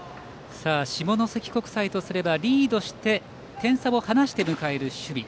下関国際とすればリードして点差を離して迎える守備。